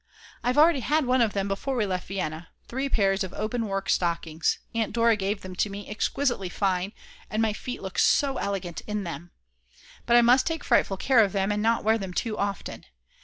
I've already had one of them before we left Vienna, 3 pairs of openwork stockings, Aunt Dora gave them to me, exquisitely fine, and my feet look so elegant in them. But I must take frightful care of them and not wear them too often.